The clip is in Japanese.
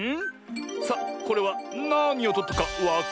さあこれはなにをとったかわかるキャな？